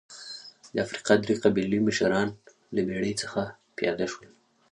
د افریقا درې قبایلي مشران له بېړۍ څخه پیاده شول.